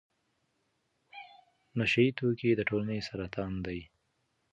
نشه يي توکي د ټولنې سرطان دی.